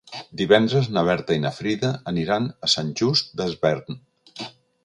Divendres na Berta i na Frida aniran a Sant Just Desvern.